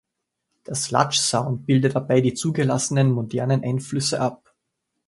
Der Sludge-Sound bildet dabei die zugelassenen modernen Einflüsse ab.